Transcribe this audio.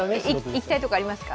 行きたいとこありますか？